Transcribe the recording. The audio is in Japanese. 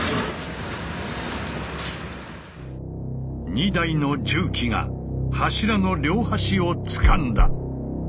２台の重機が柱の両端をつかんだ。